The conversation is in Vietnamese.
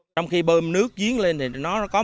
trong khi bơm nước giếng lên thì nó có mùi